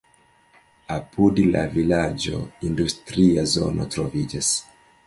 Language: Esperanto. Apud la vilaĝo industria zono troviĝas.